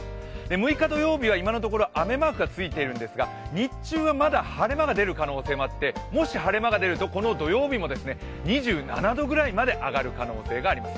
６日土曜日は今のところ雨マークが付いているんですが、日中はまだ晴れ間が出る可能性もあってもし、晴れ間が出ると、この土曜日も２７度ぐらいまで上がる可能性があります。